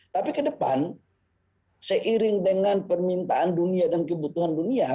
tapi ke depan seiring dengan permintaan dunia dan kebutuhan dunia